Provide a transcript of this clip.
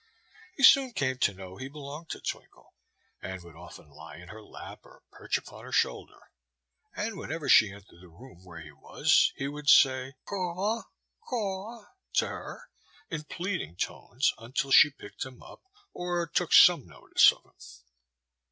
He soon came to know he belonged to Twinkle, and would often lie in her lap or perch upon her shoulder. And whenever she entered the room where he was he would say, "Caw caw!" to her, in pleading tones, until she picked him up or took some notice of him.